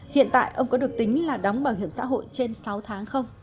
hiện tại ông có được tính là đóng bảo hiểm xã hội trên sáu tháng không